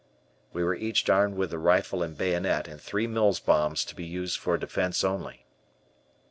We were each armed with a rifle and bayonet and three Mills bombs to be used for defense only.